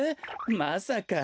まさか。